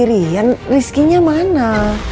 berdasarkan bitch namanya